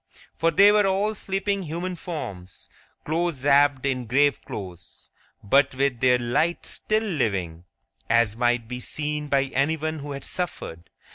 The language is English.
For they were all sleeping human forms, close wrapped in grave clothes, but with their light still living, as might be seen by anyone who had suffered.